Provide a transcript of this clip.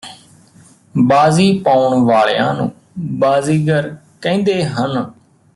ਬਾਜ਼ੀ ਪਾਉਣ ਵਾਲਿਆਂ ਨੂੰ ਬਾਜ਼ੀਗਰ ਕਹਿੰਦੇ ਹਨ